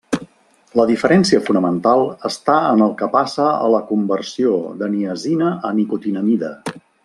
La diferència fonamental està en el que passa a la conversió de niacina a nicotinamida.